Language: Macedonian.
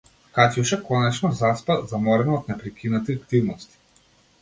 Катјуша конечно заспа, заморена од непрекинати активности.